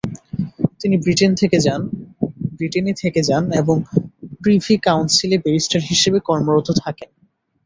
তিনি ব্রিটেনে থেকে যান এবং প্রিভি কাউন্সিলে ব্যারিস্টার হিসেবে কর্মরত থাকেন।